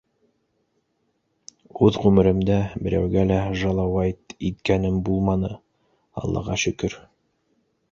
Үҙ ғүмеремдә берәүгә лә жалауайт иткәнем булманы, Аллаға шөкөр.